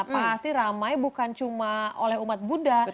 pasti ramai bukan cuma oleh umat buddha